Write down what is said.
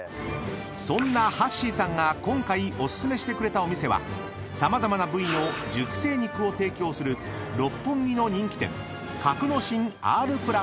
［そんなはっしーさんが今回お薦めしてくれたお店は様々な部位の熟成肉を提供する六本木の人気店格之進Ｒ＋］